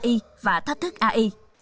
giải pháp ai và thách thức ai